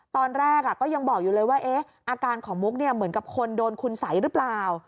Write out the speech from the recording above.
ตอนแรกก็ยังบอกอยู่เลยว่าอาการของมุกเหมือนกับคนโดนคุณสัยหรือเปล่า